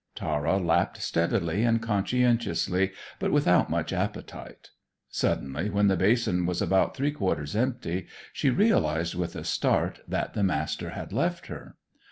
Tara lapped steadily and conscientiously, but without much appetite. Suddenly, when the basin was about three quarters empty, she realised with a start that the Master had left her.